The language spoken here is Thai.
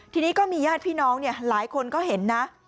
ทีนี้ก็มีญาติพี่น้องหลายคนก็เห็นนะ